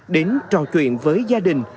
đến trò chuyện với gia đình